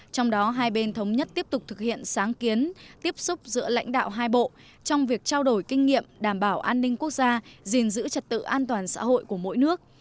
trong đó hai bên thống nhất tiếp tục thực hiện sáng kiến tiếp xúc giữa lãnh đạo hai bộ trong việc trao đổi kinh nghiệm đảm bảo an ninh quốc gia gìn giữ trật tự an toàn xã hội của mỗi nước